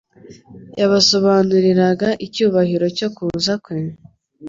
Yabasobanuriraga icyubahiro cyo kuza kwe,